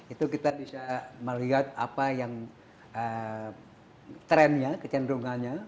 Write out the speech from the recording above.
itu kita bisa melihat apa yang trendnya kecenderungannya